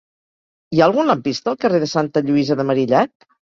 Hi ha algun lampista al carrer de Santa Lluïsa de Marillac?